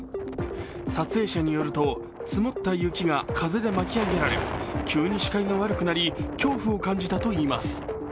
撮影者によると積もった雪が風で巻き上げられ急に視界が悪くなり恐怖を感じたといいます。